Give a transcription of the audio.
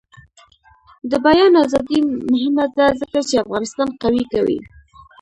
د بیان ازادي مهمه ده ځکه چې افغانستان قوي کوي.